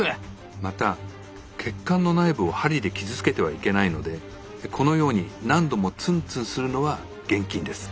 また血管の内部を針で傷つけてはいけないのでこのように何度もツンツンするのは厳禁です。